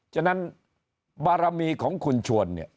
ฉะนั้นบารมีของคุณชวนเนี่ย